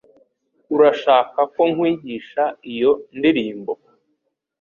Urashaka ko nkwigisha iyo ndirimbo?